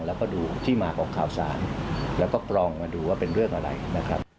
แล้วก็ดูที่มาของข่าวสารแล้วก็กรองมาดูว่าเป็นเรื่องอะไรนะครับ